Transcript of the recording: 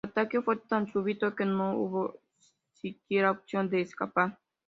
El ataque fue tan súbito que no hubo siquiera opción de escapar.